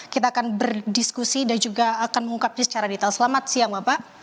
kita akan berdiskusi dan juga akan mengungkapnya secara detail selamat siang bapak